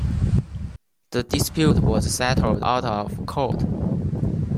The dispute was settled out of court.